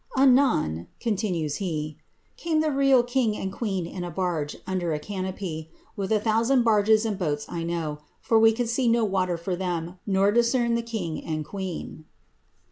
^Anon,'' continues he, came the real king and queen in a barge, under a canopy, with a thou tand barges and boats I know, for we could see no water for them, nor discern the king and queen."